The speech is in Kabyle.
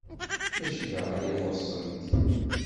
Mačči d ṛṛay i xuṣṣent.